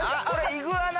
イグアナ！